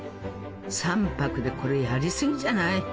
３泊でこれやり過ぎじゃない？